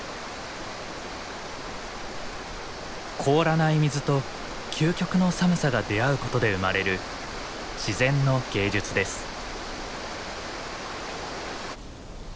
凍らない水と究極の寒さが出会うことで生まれる自然の芸術です。